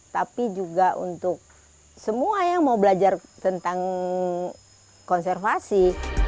tapi juga untuk semua yang mau belajar tentang konservasi